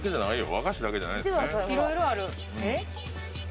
和菓子だけじゃないんですね。